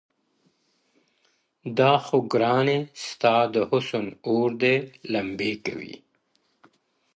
دا خو گراني ستا د حُسن اور دی لمبې کوي~